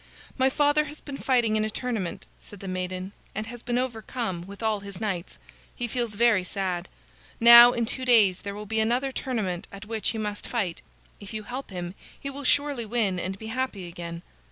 "My father has been fighting in a tournament," said the maiden, "and has been overcome, with all his knights. He feels very sad. Now, in two days there will be another tournament at which he must fight. If you help him, he will surely win and be happy again."